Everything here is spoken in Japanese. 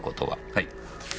はい。